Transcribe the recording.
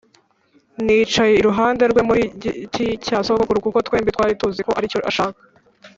nicaye iruhande rwe muri "igiti cya sogokuru" 'kuko twembi twari tuzi ko aricyo ashaka.